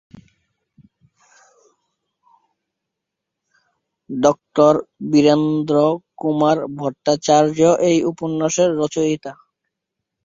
Doctor Birendra Kumar Bhattacharya এই উপন্যাসের রচয়িতা।